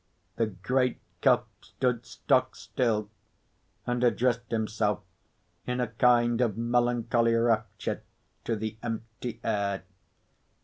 The great Cuff stood stock still, and addressed himself in a kind of melancholy rapture to the empty air.